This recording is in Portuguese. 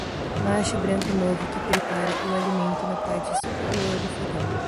Macho branco novo que prepara o alimento na parte superior do fogão.